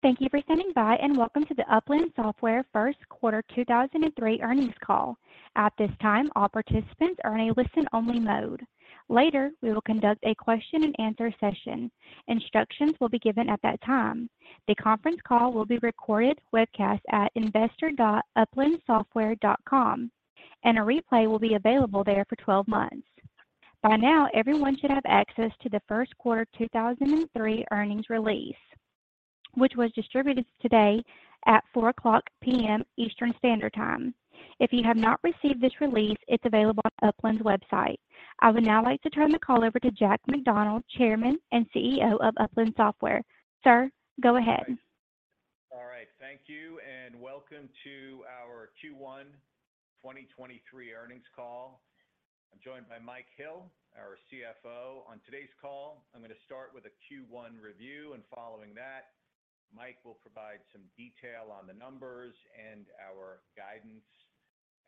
Thank you for standing by, and welcome to the Upland Software first quarter 2003 earnings call. At this time, all participants are in a listen-only mode. Later, we will conduct a question-and-answer session. Instructions will be given at that time. The conference call will be recorded, webcast at investor.uplandsoftware.com, and a replay will be available there for 12 months. By now, everyone should have access to the first quarter 2003 earnings release, which was distributed today at 4:00 P.M. Eastern Standard Time. If you have not received this release, it's available on Upland's website. I would now like to turn the call over to Jack McDonald, Chairman and CEO of Upland Software. Sir, go ahead. All right. Thank you. Welcome to our Q1 2023 earnings call. I'm joined by Mike Hill, our CFO. On today's call, I'm going to start with a Q1 review, and following that, Mike will provide some detail on the numbers and our guidance.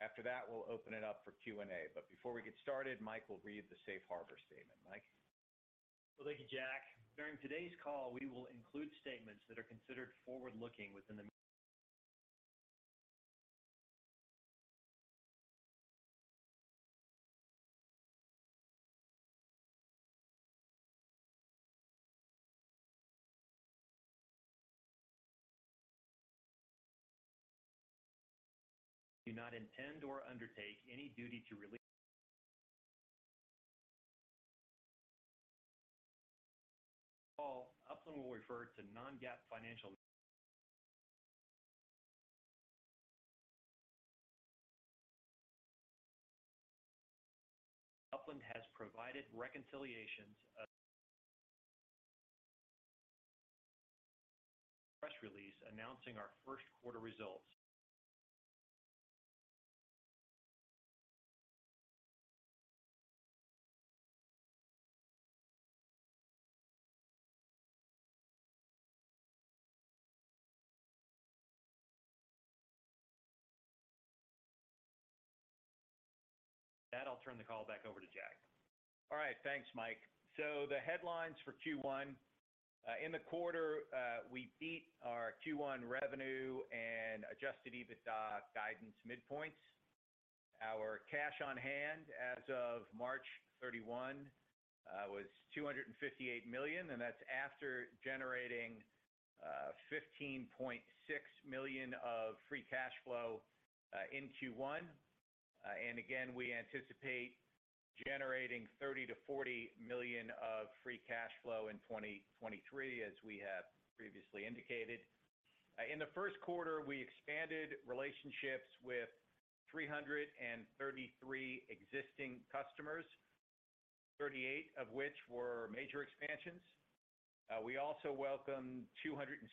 After that, we'll open it up for Q&A. Before we get started, Mike will read the safe harbor statement. Mike. Well, thank you, Jack. During today's call, we will include statements that are considered forward-looking within the... We do not intend or undertake any duty to release... call, Upland will refer to non-GAAP financial... Upland has provided reconciliations of... press release announcing our first quarter results. With that, I'll turn the call back over to Jack. All right. Thanks, Mike. The headlines for Q1. In the quarter, we beat our Q1 revenue and adjusted EBITDA guidance midpoints. Our cash on hand as of March 31, was $258 million, and that's after generating $15.6 million of free cash flow in Q1. Again, we anticipate generating $30 million-$40 million of free cash flow in 2023, as we have previously indicated. In the first quarter, we expanded relationships with 333 existing customers, 38 of which were major expansions. We also welcomed 207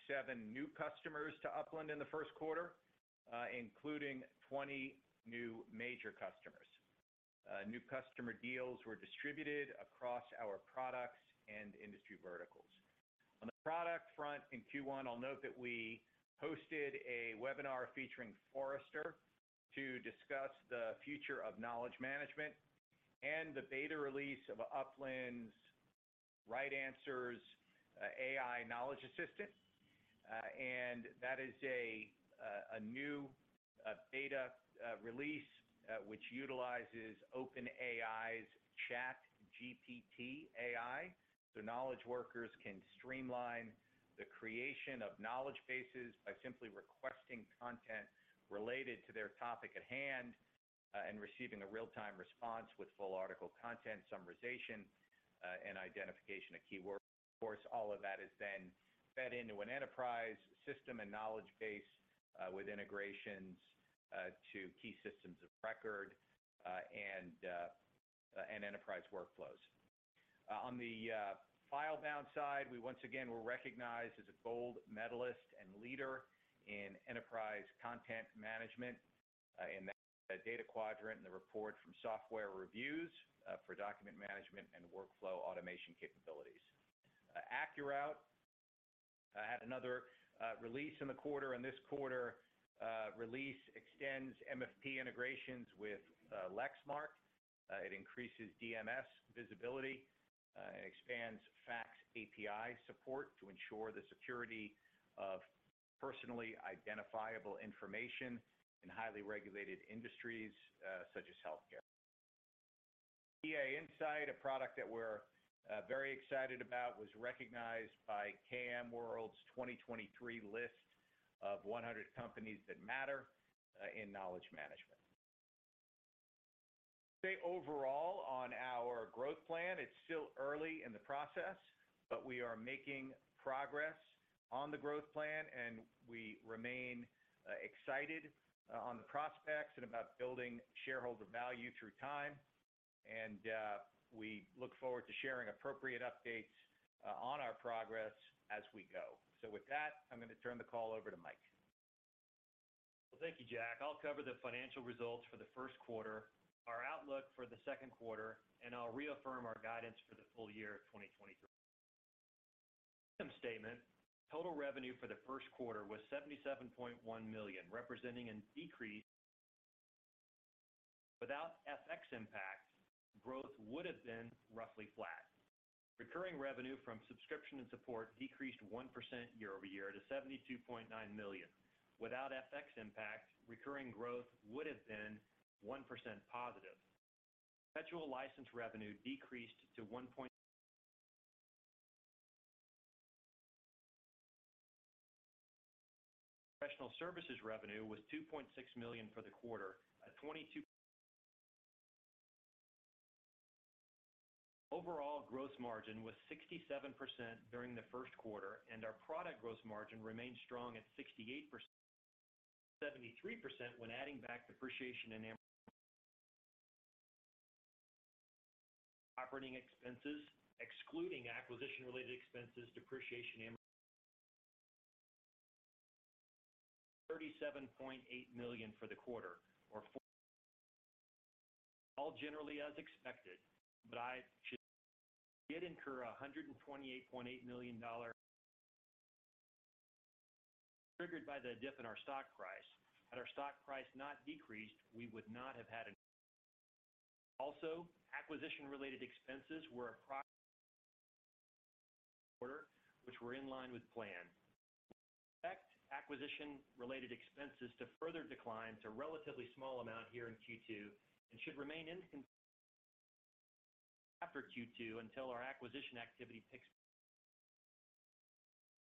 new customers to Upland in the first quarter, including 20 new major customers. New customer deals were distributed across our products and industry verticals. On the product front in Q1, I'll note that we hosted a webinar featuring Forrester to discuss the future of knowledge management and the beta release of Upland's RightAnswers AI Knowledge Assistant. That is a new beta release which utilizes OpenAI's ChatGPT AI, so knowledge workers can streamline the creation of knowledge bases by simply requesting content related to their topic at hand and receiving a real-time response with full article content summarization and identification of keywords. Of course, all of that is then fed into an enterprise system and knowledge base with integrations to key systems of record and enterprise workflows. On the FileBound side, we once again were recognized as a gold medalist and leader in enterprise content management in the Data Quadrant and the report from SoftwareReviews for document management and workflow automation capabilities. AccuRoute had another release in the quarter, and this quarter release extends MFP integrations with Lexmark. It increases DMS visibility, it expands Fax API support to ensure the security of personally identifiable information in highly regulated industries, such as healthcare. BA Insight, a product that we're very excited about, was recognized by KMWorld's 2023 list of 100 Companies that Matter in Knowledge Management. I'd say overall on our growth plan, it's still early in the process, but we are making progress on the growth plan, and we remain excited on the prospects and about building shareholder value through time. We look forward to sharing appropriate updates on our progress as we go. With that, I'm gonna turn the call over to Mike. Well, thank you, Jack. I'll cover the financial results for the first quarter, our outlook for the second quarter, and I'll reaffirm our guidance for the full year of 2023. Income statement. Total revenue for the first quarter was $77.1 million, representing a decrease. Without FX impact, growth would have been roughly flat. Recurring revenue from subscription and support decreased 1% year-over-year to $72.9 million. Without FX impact, recurring growth would have been 1% positive. Perpetual license revenue decreased to one point- Professional services revenue was $2.6 million for the quarter, a twenty-two- Overall gross margin was 67% during the first quarter, and our product gross margin remained strong at 68%. 73% when adding back depreciation. Operating expenses, excluding acquisition-related expenses, depreciation, $37.8 million for the quarter. All generally as expected. We did incur $128.8 million. Triggered by the dip in our stock price. Had our stock price not decreased, we would not have had. Acquisition-related expenses were in line with plan. Expect acquisition-related expenses to further decline to a relatively small amount here in Q2, and should remain after Q2 until our acquisition activity.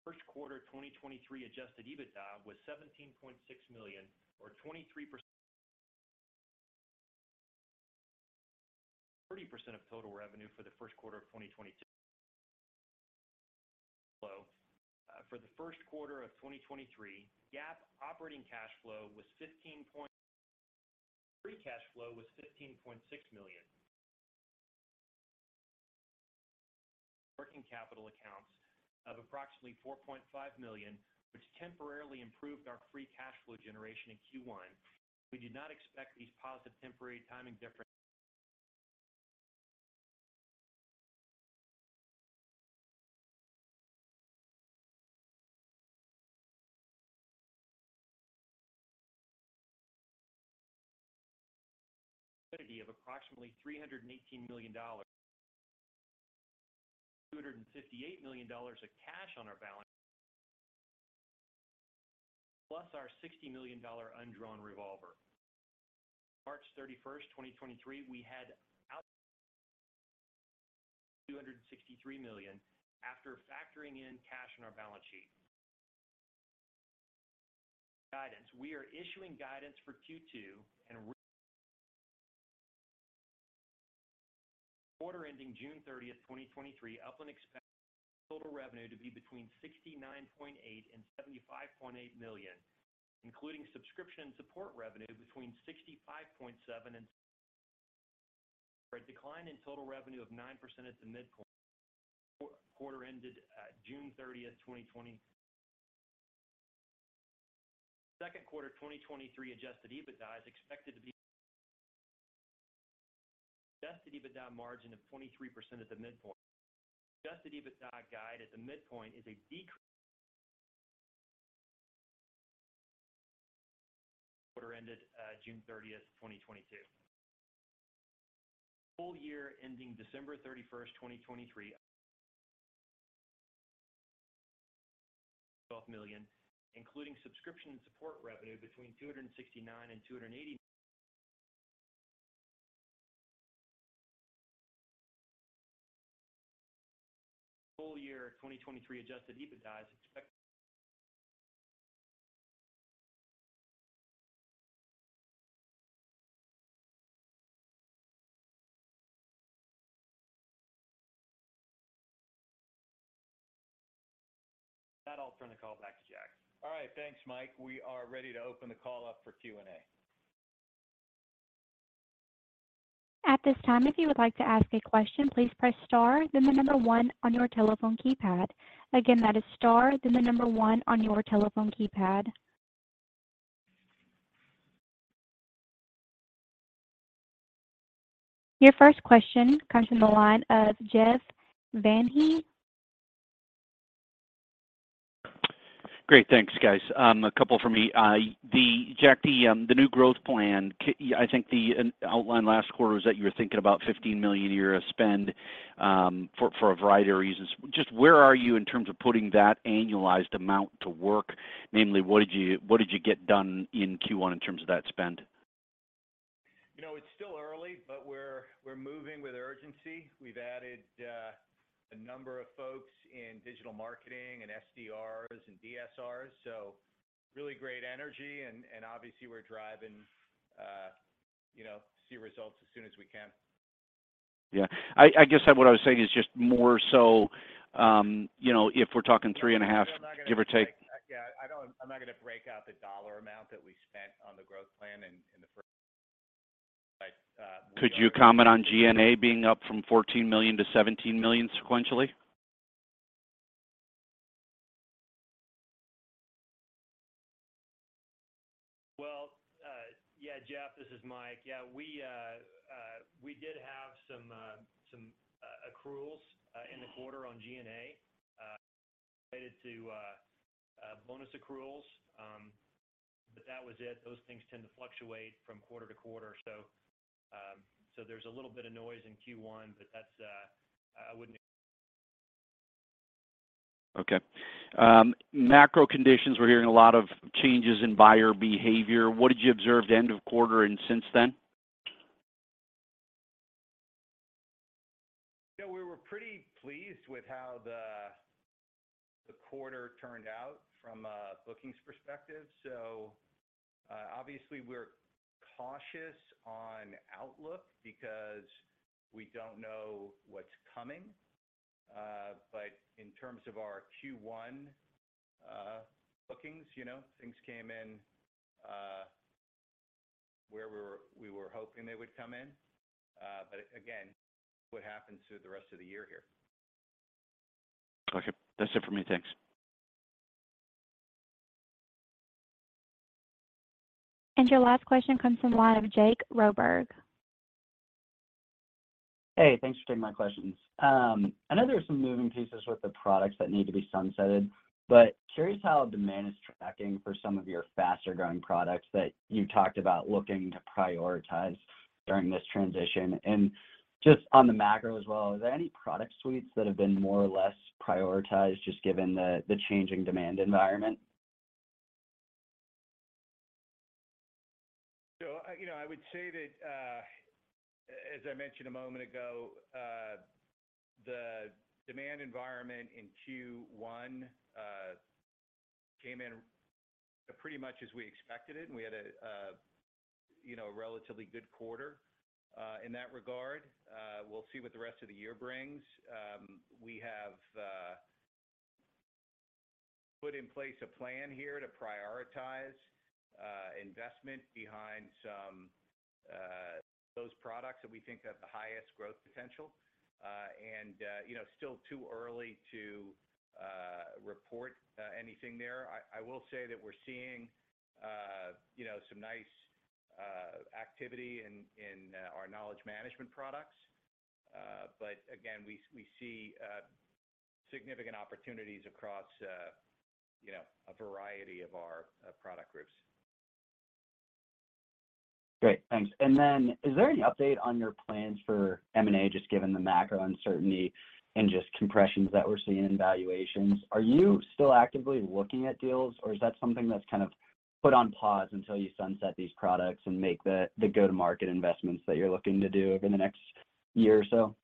First quarter 2023 adjusted EBITDA was $17.6 million, or 23%. 30% of total revenue for the first quarter of 2022. For the first quarter of 2023, GAAP operating cash flow was. Free cash flow was $15.6 million. Working capital accounts of approximately $4.5 million, which temporarily improved our free cash flow generation in Q1. We do not expect these positive temporary timing of approximately $318 million. $258 million of cash on our balance. Plus our $60 million undrawn revolver. March 31, 2023, we had $263 million after factoring in cash on our balance sheet. Guidance. We are issuing guidance for Q2. For the quarter ending June 30, 2023, Upland expects total revenue to be between $69.8 million and $75.8 million, including subscription and support revenue between $65.7 million and. For a decline in total revenue of 9% at the midpoint. quarter ended, June 30th, 2020. Second quarter 2023 adjusted EBITDA is expected to be. Adjusted EBITDA margin of 23% at the midpoint. Adjusted EBITDA guide at the midpoint is a decrea- quarter ended, June 30th, 2022. Full year ending December 31st, 2023- $ million, including subscription and support revenue between $269 million and $280-. Full year 2023 adjusted EBITDA is expec-. With that, I'll turn the call back to Jack. All right. Thanks, Mike. We are ready to open the call up for Q&A. At this time, if you would like to ask a question, please press star then the number one on your telephone keypad. Again, that is star, then the number one on your telephone keypad. Your first question comes from the line of Jeff Van Rhee. Great. Thanks, guys. A couple from me. Jack, the new growth plan, I think the outline last quarter was that you were thinking about $15 million a year of spend for a variety of reasons. Just where are you in terms of putting that annualized amount to work? Namely, what did you get done in Q1 in terms of that spend? You know, it's still early, but we're moving with urgency. We've added a number of folks in digital marketing and SDRs and DSRs. Really great energy and obviously we're driving, you know, to see results as soon as we can. Yeah. I guess what I was saying is just more so, you know, if we're talking three and a half, give or take. Yeah, I'm not gonna break out the dollar amount that we spent on the growth plan in the first-. Could you comment on G&A being up from $14 million to $17 million sequentially? Well, yeah, Jeff, this is Mike. Yeah, we. Accruals in the quarter on G&A related to bonus accruals. That was it. Those things tend to fluctuate from quarter to quarter. There's a little bit of noise in Q1 but that's. Okay. Macro conditions, we're hearing a lot of changes in buyer behavior. What did you observe at the end of quarter and since then? You know, we were pretty pleased with how the quarter turned out from a bookings perspective. Obviously we're cautious on outlook because we don't know what's coming. In terms of our Q1 bookings, you know, things came in where we were hoping they would come in. Again, what happens to the rest of the year here? Okay. That's it for me. Thanks. Your last question comes from the line of Jake Roberge. Hey, thanks for taking my questions. Curious how demand is tracking for some of your faster growing products that you talked about looking to prioritize during this transition. Just on the macro as well, are there any product suites that have been more or less prioritized just given the changing demand environment? You know, I would say that, as I mentioned a moment ago, the demand environment in Q1 came in pretty much as we expected it, and we had a, you know, relatively good quarter, in that regard. We have put in place a plan here to prioritize investment behind those products that we think have the highest growth potential. You know, still too early to report anything there. I will say that we're seeing, you know, some nice activity in our knowledge management products. Again, we see significant opportunities across, you know, a variety of our product groups. Great. Thanks. Is there any update on your plans for M&A, just given the macro uncertainty and just compressions that we're seeing in valuations? Are you still actively looking at deals, or is that something that's kind of put on pause until you sunset these products and make the go-to-market investments that you're looking to do over the next year or so?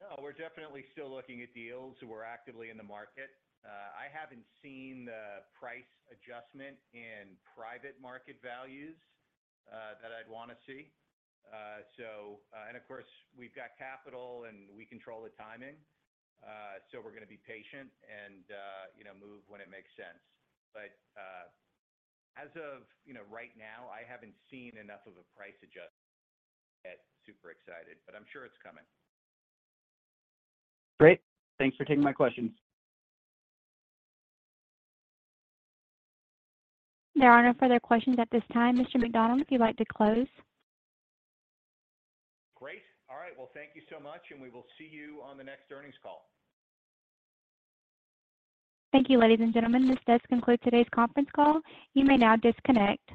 No, we're definitely still looking at deals. We're actively in the market. I haven't seen the price adjustment in private market values that I'd wanna see. Of course, we've got capital, and we control the timing, so we're gonna be patient and, you know, move when it makes sense. As of, you know, right now, I haven't seen enough of a price adjustment to get super excited, but I'm sure it's coming. Great. Thanks for taking my questions. There are no further questions at this time, Mr. MacDonald, if you'd like to close. Great. All right. Well, thank you so much, and we will see you on the next earnings call. Thank you, ladies and gentlemen. This does conclude today's conference call. You may now disconnect.